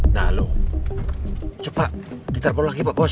nah lo cepat diterpon lagi pak bos